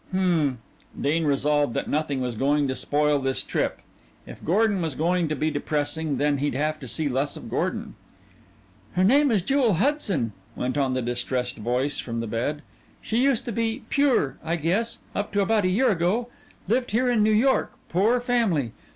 "Hm." Dean resolved that nothing was going to spoil his trip. If Gordon was going to be depressing, then he'd have to see less of Gordon. "Her name is Jewel Hudson," went on the distressed voice from the bed. "She used to be 'pure,' I guess, up to about a year ago. Lived here in New York poor family.